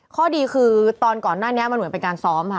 ข้อดีคือตอนก่อนหน้านี้มันเหมือนเป็นการซ้อมค่ะ